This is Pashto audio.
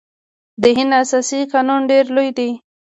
د هند اساسي قانون ډیر لوی دی.